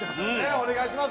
お願いします！